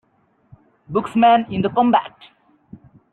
Buxman in the Combat!